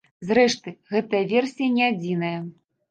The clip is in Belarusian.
Зрэшты, гэтая версія не адзіная.